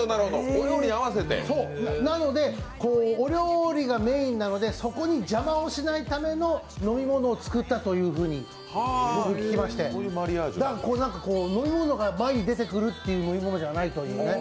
なので、お料理がメインなのでそこに邪魔をしないための飲み物を作ったというふうに僕、聞きまして、飲み物が前に出てくる飲み物じゃないっていうことですね。